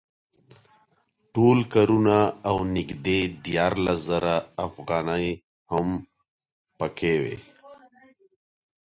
ټول کارتونه او نږدې دیارلس زره افغانۍ هم په کې وې.